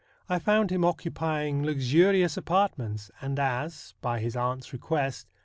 I found him occupying luxurious apartments, and as, by his aunt's request.